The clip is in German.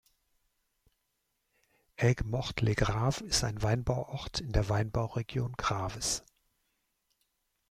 Ayguemorte-les-Graves ist ein Weinbauort in der Weinbauregion Graves.